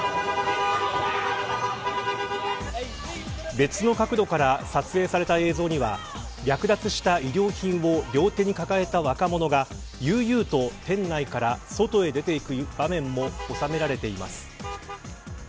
別の角度から撮影された映像には略奪した衣料品を両手に抱えた若者が悠々と店内から外へ出て行く場面も収められています。